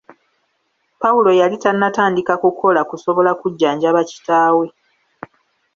Pawulo yali tanatandika kukola kusobola kujjanjaba kitaawe.